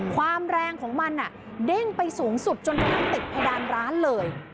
ความแรงของมันเด้งไปสูงสุดจนกระทั่งติดเพดานร้านเลย